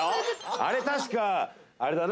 あれ確かあれだな